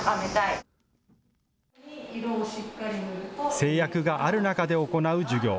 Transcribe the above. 制約がある中で行う授業。